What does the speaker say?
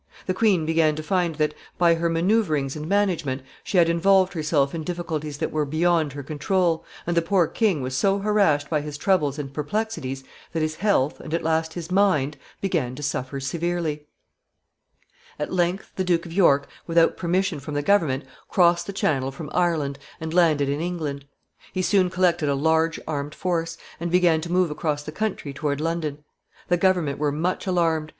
The queen began to find that, by her manoeuvrings and management, she had involved herself in difficulties that were beyond her control, and the poor king was so harassed by his troubles and perplexities that his health, and, at last, his mind, began to suffer severely. [Sidenote: The Duke of York comes to England.] At length the Duke of York, without permission from the government, crossed the Channel from Ireland and landed in England. He soon collected a large armed force, and began to move across the country toward London. The government were much alarmed.